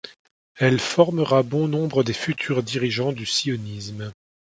Elle formera bon nombre des futurs dirigeants du sionisme.